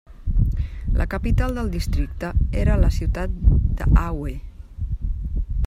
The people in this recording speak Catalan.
La capital del districte era la ciutat d'Aue.